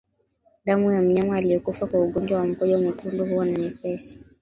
Damu ya mnyama aliyekufa kwa ugonjwa wa mkojo mwekundu huwa na nyepesi